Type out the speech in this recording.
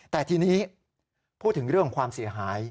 แต่ทีนี้พูดถึงเรื่องของความเสียหาย